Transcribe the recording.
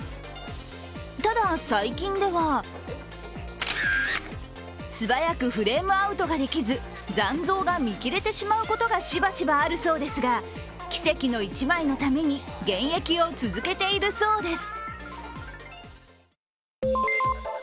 ただ、最近では素早くフレームアウトができず残像が見切れてしまうことがしばしばあるそうですが、奇跡の一枚のために現役を続けているそうです。